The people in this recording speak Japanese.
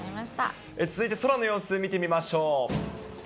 続いて空の様子、見てみましょう。